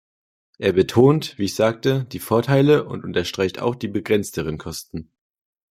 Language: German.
Er betont, wie ich sagte, die Vorteile und unterstreicht auch die begrenzteren Kosten.